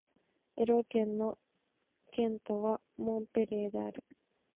エロー県の県都はモンペリエである